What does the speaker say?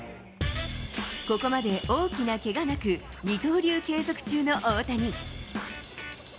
ここまで大きなけがなく、二刀流継続中の大谷。